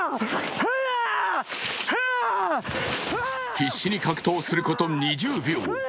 必死に格闘すること２０秒。